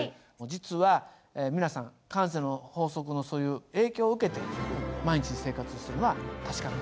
実は皆さん慣性の法則のそういう影響を受けて毎日生活しているのは確かなんです。